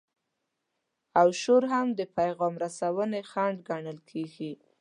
او شور هم د پیغام رسونې خنډ ګڼل کیږي.